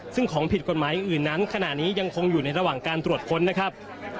ซึ่งของผิดกฎหมายอื่นนั้นขณะนี้ยังคงอยู่ในระหว่างการตรวจค้นนะครับ